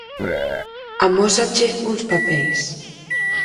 Amósache uns papeis.